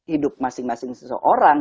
hidup masing masing seseorang